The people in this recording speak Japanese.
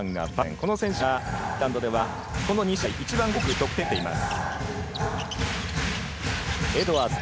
この選手がフィンランドではこの２試合一番多く得点を取っています。